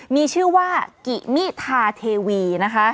มีชื่อว่ากิมิทาเทวีนะคะ